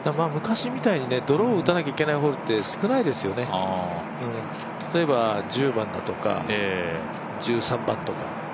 昔みたいにドローを打たなきゃいけないホールって少ないですよね、例えば１０番だとか、１３番とか。